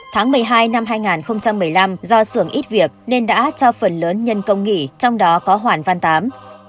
tháng một mươi hai năm hai nghìn một mươi năm do xưởng ít việc nên đã cho phần lớn nhân công nghỉ trong đó có hoàng văn tám